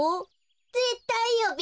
ぜったいよべ。